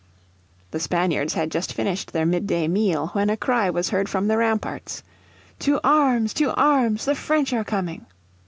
The Spaniards had just finished their mid day meal when a cry was heard from the ramparts. "To arms! to arms! the French are coming!"